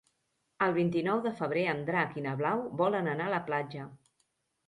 El vint-i-nou de febrer en Drac i na Blau volen anar a la platja.